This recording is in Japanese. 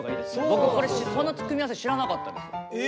僕この組み合わせ知らなかったです。え！